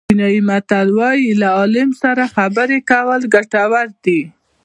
چینایي متل وایي له عالم سره خبرې کول ګټور دي.